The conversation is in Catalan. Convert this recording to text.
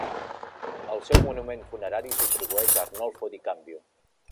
El seu monument funerari s'atribueix a Arnolfo di Cambio.